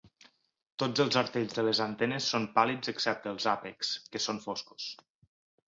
Tots els artells de les antenes són pàl·lids excepte els àpexs, que són foscos.